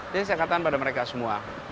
jadi saya katakan pada mereka semua